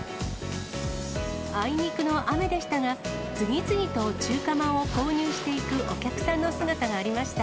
あいにくの雨でしたが、次々と中華まんを購入していくお客さんの姿がありました。